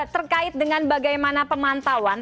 terkait dengan bagaimana pemantauan